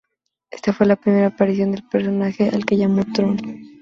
Esta fue la primera aparición del personaje al que llamó Tron.